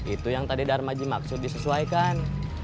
itu yang tadi darmaji maksud disesuaikan